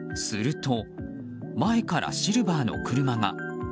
すると、前からシルバーの車が。